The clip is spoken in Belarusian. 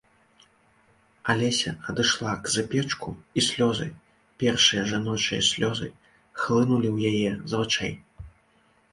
Алеся адышла к запечку, і слёзы, першыя жаночыя слёзы, хлынулі ў яе з вачэй.